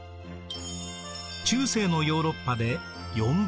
中世のヨーロッパで４倍程度。